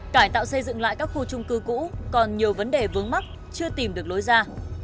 cải tạo xây dựng lại các khu trung cư cũ còn nhiều vấn đề vướng mắc chưa tìm được lối ra